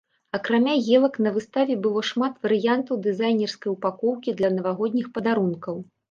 Акрамя елак, на выставе было шмат варыянтаў дызайнерскай упакоўкі для навагодніх падарункаў.